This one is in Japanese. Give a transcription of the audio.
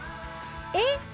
えっ？